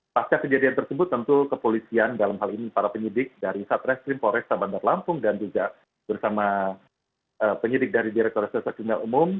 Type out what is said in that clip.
pasca kejadian tersebut tentu kepolisian dalam hal ini para penyelidik dari satres krim pores sabang dan lampung dan juga bersama penyelidik dari direktur seseorang jumlah umum